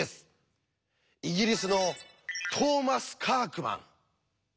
イギリスのトーマス・カークマン。